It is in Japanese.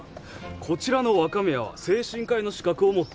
こちらの若宮は精神科医の資格を持っています。